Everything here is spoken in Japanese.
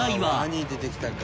「ワニ出てきたか」